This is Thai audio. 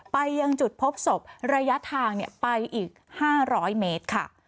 ไปยังจุดพบศพระยะทางไปอีก๕๐๐เมตรค่ะ